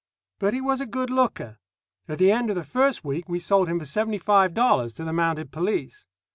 But he was a good looker. At the end of the first week we sold him for seventy five dollars to the Mounted Police.